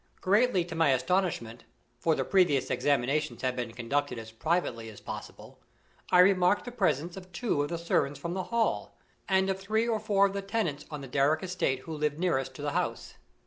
Greatly to my astonishment for the previous examinations had been conducted as privately as possible I remarked the presence of two of the servants from the Hall, and of three or four of the tenants on the Darrock estate, who lived nearest to the house.